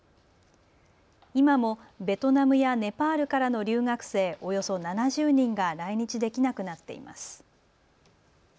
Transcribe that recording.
今もベトナムやネパールからの留学生およそ７０人が来日できなくなっています。